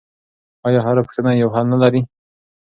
آیا هره پوښتنه یو حل نه لري؟